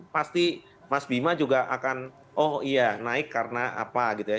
pasti mas bima juga akan oh iya naik karena apa gitu ya